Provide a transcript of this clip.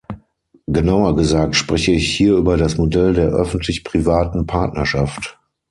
Genauer gesagt, spreche ich hier über das Modell der öffentlich-privaten Partnerschaft.